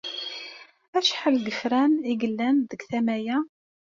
Acḥal n yefran ay yellan deg tama-a?